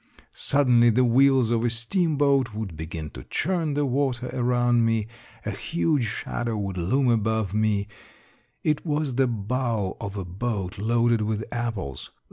Suddenly the wheels of a steamboat would be gin to churn the water around me ; a huge shadow would loom above me ; it was the bow of a boat loaded with apples.